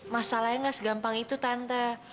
masalahnya gak segampang itu tante